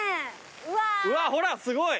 うわほらすごい！